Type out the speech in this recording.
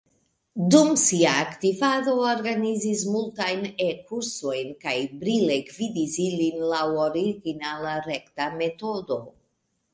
Dum sia aktivado organizis multajn E-kursojn kaj brile gvidis ilin laŭ originala rekta metodo.